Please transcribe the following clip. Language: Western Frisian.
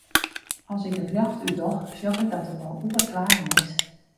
At ik it ljocht útdoch, sjoch ik dat it al oer twaen is.